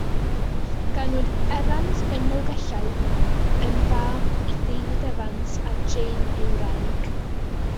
Ganwyd Evans yn Nolgellau, yn fab i David Evans, a Jane ei wraig.